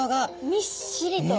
みっしりと。